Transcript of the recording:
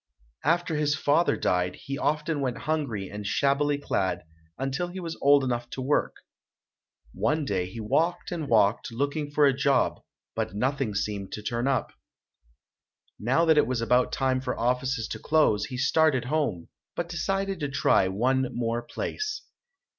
After his father died, he often went hungry and shabbily clad, until he was old enough to work. One day he walked and walked, looking for a job, but nothing seemed to turn up. Now that it was about time for offices to close, he started home, but decided to try one more place.